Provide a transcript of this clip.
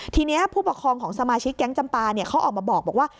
ทีนี้ผู้ปกครองของสมาชิกแก๊งจำปาเขาออกมาบอกว่า